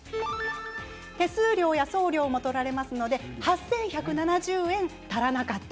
手数料や送料も取られますので８１７０円、足らなかった。